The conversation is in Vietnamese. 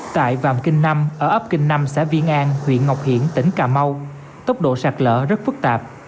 tại vàm kinh năm ở ấp kinh năm xã viên an huyện ngọc hiển tỉnh cà mau tốc độ sạt lở rất phức tạp